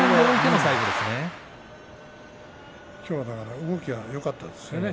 きょうは動きがよかったですよね。